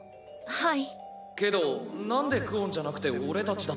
はい。